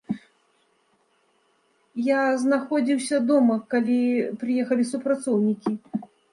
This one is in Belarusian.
Я знаходзіўся дома, калі прыехалі супрацоўнікі.